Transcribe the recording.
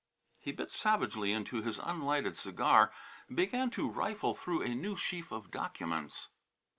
He bit savagely into his unlighted cigar and began to rifle through a new sheaf of documents.